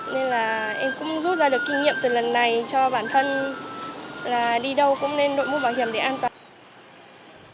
nên là em cũng rút ra được kinh nghiệm từ lần này cho bản thân là đi đâu cũng nên đội mũ bảo hiểm để an toàn